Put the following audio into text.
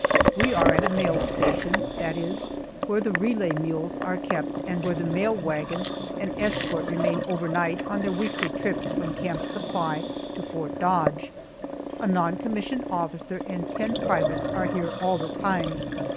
We are at a mail station that is, where the relay mules are kept and where the mail wagon and escort remain overnight on their weekly trips from Camp Supply to Fort Dodge. A non commissioned officer and ten privates are here all the time.